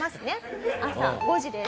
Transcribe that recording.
朝５時です。